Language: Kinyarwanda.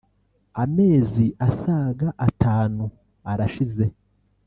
Amezi asaga atanu arashize